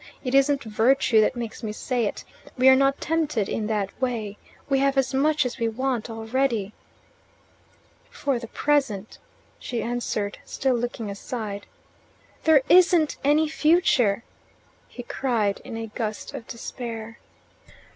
It isn't virtue that makes me say it: we are not tempted in that way: we have as much as we want already." "For the present," she answered, still looking aside. "There isn't any future," he cried in a gust of despair.